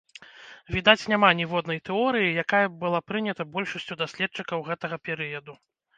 Відаць, няма ніводнай тэорыі, якая б была прыняты большасцю даследчыкаў гэтага перыяду.